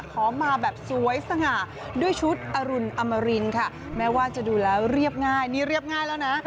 ขอมาแบบสวยสง่าด้วยชุดอรุณอมรินค่ะแม้ว่าจะดูแล้วเรียบง่ายนี่เรียบง่ายแล้วนะ